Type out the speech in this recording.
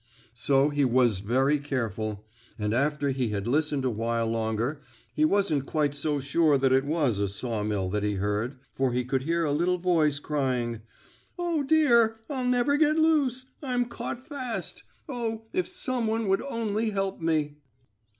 So he was very careful, and, after he had listened a while longer, he wasn't quite so sure that it was a saw mill that he heard, for he could hear a little voice crying: "Oh, dear. I'll never get loose! I'm caught fast! Oh, if some one would only help me!"